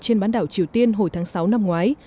trên bán đảo triều tiên hồi tháng sáu năm ngoái